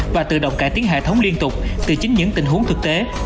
và tự động cải tiến hệ thống liên tục từ chính những tình huống thực tế